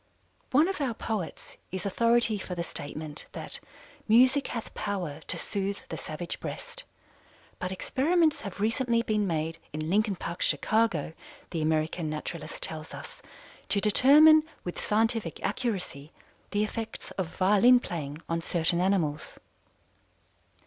One of our poets is authority for the statement that "music hath power to sooth the savage breast," but experiments have recently been made in Lincoln Park, Chicago, The American Naturalist tells us, to determine with scientific accuracy the effects of violin playing on certain animals.